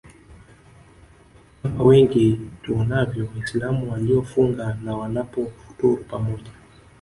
kama wengi tuonavyo waislamu waliofunga na wanapofuturu pamoja